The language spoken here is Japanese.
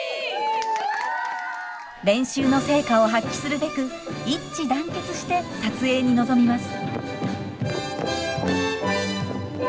練習の成果を発揮するべく一致団結して撮影に臨みます。